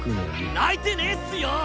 泣いてねぇっスよ！